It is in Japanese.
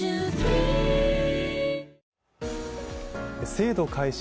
制度開始